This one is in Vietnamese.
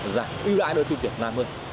dài ưu đãi đối với phim việt nam hơn